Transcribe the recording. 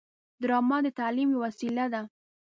ډرامه د تعلیم یوه وسیله ده